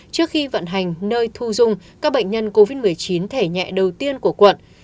trước khi vận hành nơi thu dung các bệnh nhân covid một mươi chín thẻ nhẹ đầu tiên của quận